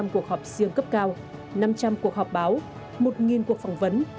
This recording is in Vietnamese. bốn mươi năm cuộc họp riêng cấp cao năm trăm linh cuộc họp báo một cuộc phỏng vấn